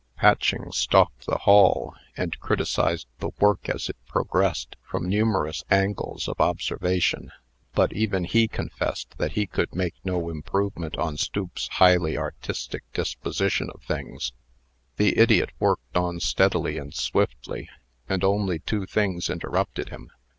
Patching stalked about the hall, and criticized the work as it progressed, from numerous angles of observation; but even he confessed that he could make no improvement on Stoop's highly artistic disposition of things. The idiot worked on steadily and swiftly, and only two things interrupted him.